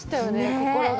心が。